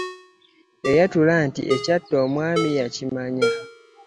Yayatula nti ekyatta omwami yakimanya n.